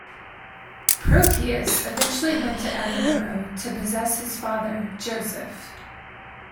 Proteus eventually went to Edinburgh, to possess his father, Joseph.